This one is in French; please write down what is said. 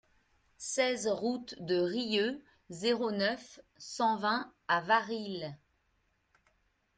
seize route de Rieux, zéro neuf, cent vingt à Varilhes